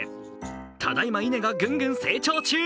ただいま稲がぐんぐん成長中。